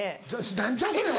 何じゃそれは！